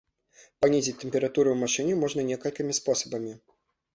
Панізіць тэмпературу ў машыне можна некалькімі спосабамі.